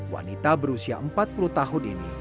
wanita berusia empat puluh tahun ini